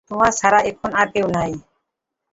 তোমার ও ছাড়া এখন আর কেউ নেই।